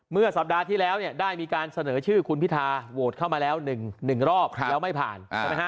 เมื่อสัปดาห์ที่แล้วเนี่ยได้มีการเสนอชื่อคุณพิธาโหวตเข้ามาแล้ว๑รอบแล้วไม่ผ่านใช่ไหมฮะ